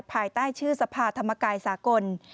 ภายใต้ชื่อสภาธรรมกายสากล